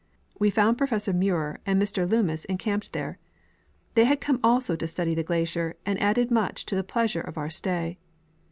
We found Pro fessor Muir and Mr Loomis encamped there. They had come also to study the glacier, and added much to the pleasure of our stay.